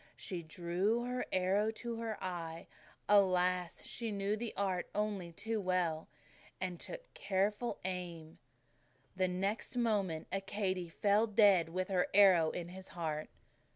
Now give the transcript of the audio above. She drew her arrow to her eye alas, she knew the art only too well! and took careful aim. The next moment Accadee fell dead with her arrow in his heart."